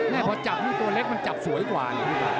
พอจับนี่ตัวเล็กมันจับสวยกว่านะ